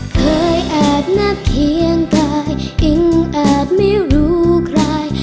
เคยแอบนับเคียงกายอิ่งแอบไม่รู้ใคร